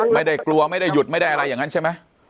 ไม่ได้กลัวไม่ได้หยุดไม่ได้อะไรอย่างนั้นใช่ไหม